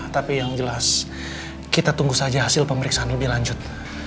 tapi yang jelas kita tunggu saja hasil pemeriksaan lebih lanjut